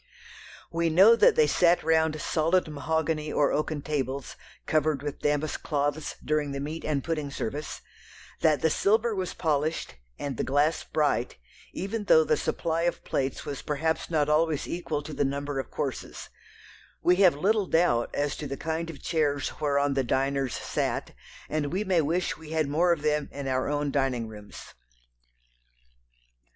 We know that they sat round solid mahogany or oaken tables, covered with damask cloths during the meat and pudding service, that the silver was polished, and the glass bright, even though the supply of plates was perhaps not always equal to the number of courses; we have little doubt as to the kind of chairs whereon the diners sat, and we may wish we had more of them in our own dining rooms.